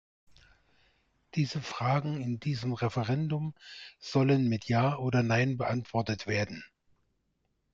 Diese Fragen in diesem Referendum sollen mit ja oder nein beantwortet werden.